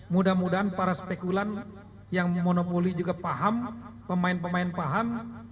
mudah mudahan para spekulan yang monopoli juga paham pemain pemain paham